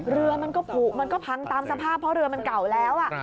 เรือมันก็ผูกมันก็พังตามสภาพเพราะเรือมันเก่าแล้ว